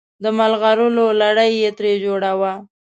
د ملغلرو لړ یې ترې جوړاوه.